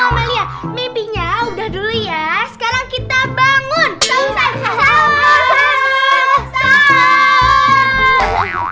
mimpinya udah dulu ya sekarang kita bangun